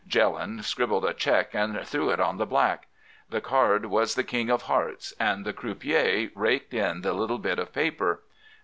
"Jelland scribbled a cheque and threw it on the black. The card was the king of hearts, and the croupier raked in the little bit of paper.